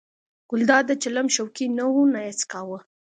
ګلداد د چلم شوقي نه و نه یې څکاوه.